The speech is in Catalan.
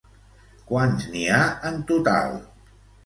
Quants n'hi ha en total?